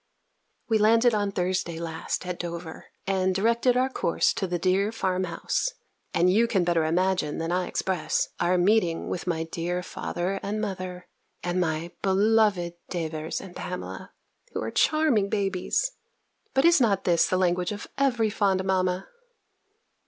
We landed on Thursday last at Dover, and directed our course to the dear farm house; and you can better imagine, than I express, our meeting with my dear father and mother, and my beloved Davers and Pamela, who are charming babies. But is not this the language of every fond mamma?